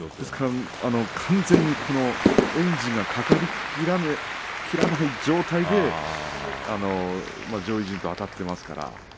完全にエンジンがかかり切らない状態で上位陣とあたっていますから。